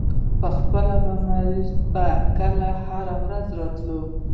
پۀ خپله مرضۍ به کله هره ورځ راتۀ